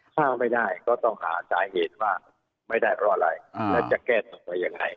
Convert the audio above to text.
ถ้าไม่ได้ก็ต้องหาสาเหตุว่าไม่ได้เพราะอะไรแล้วจะแก้ตัวยังไง